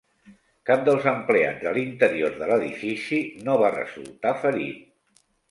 Cap dels empleats de l'interior de l'edifici no va resultar ferit.